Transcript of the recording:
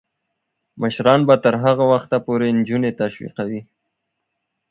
مشران به تر هغه وخته پورې نجونې تشویقوي.